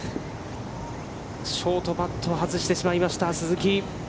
ショートパットを外してしまいました鈴木。